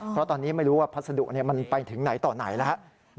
เพราะตอนนี้ไม่รู้ว่าพัสดุมันไปถึงไหนต่อไหนแล้วครับ